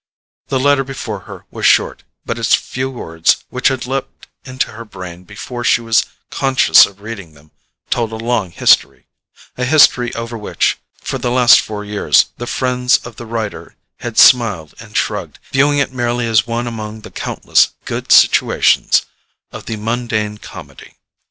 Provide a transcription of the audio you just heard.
The letter before her was short, but its few words, which had leapt into her brain before she was conscious of reading them, told a long history—a history over which, for the last four years, the friends of the writer had smiled and shrugged, viewing it merely as one among the countless "good situations" of the mundane comedy.